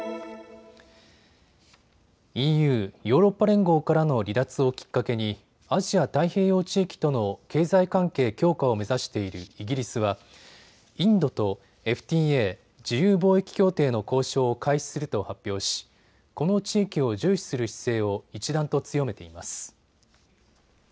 ＥＵ・ヨーロッパ連合からの離脱をきっかけにアジア太平洋地域との経済関係強化を目指しているイギリスはインドとＦＴＡ・自由貿易協定の交渉を開始すると発表しこの地域を重視する姿勢を一段と強めています。